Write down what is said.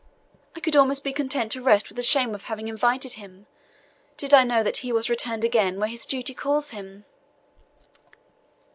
I could almost be content to rest with the shame of having invited him, did I know that he was returned again where his duty calls him!"